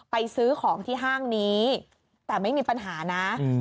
ซื้อของที่ห้างนี้แต่ไม่มีปัญหานะ